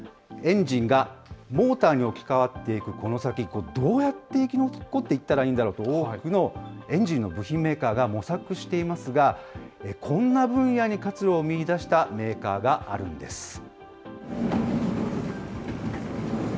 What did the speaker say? エンジンがモーターに置き換わっていくこの先、どうやって生き残っていったらいいのかというのを、多くのエンジンの部品メーカーが模索していますが、こんな分野に活路を見いだしたメーカーがあるんです。